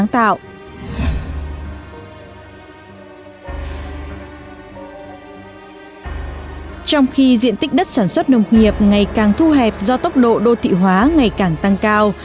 trong khi diện tích đất sản xuất nông nghiệp ngày càng thu hẹp do tốc độ đô thị hóa ngày càng tăng cao